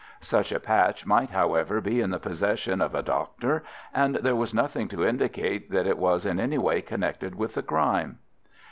Such a patch might, however, be in the possession of a doctor, and there was nothing to indicate that it was in any way connected with the crime.